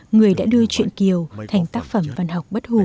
người đã đưa truyện kiều thành tác phẩm văn học bất hù